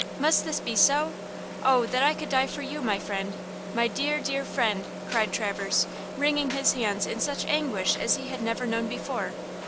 Must this be so! Oh, that I could die for you, my friend! My dear, dear friend!" cried Traverse, wringing his hands in such anguish as he had never known before.